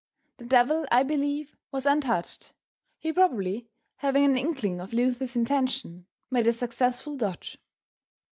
The devil I believe, was untouched, he probably having an inkling of Luther's intention, made a successful dodge.